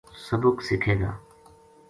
سبق سکھے گا